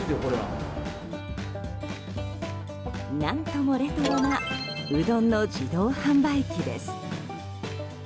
何ともレトロなうどんの自動販売機です。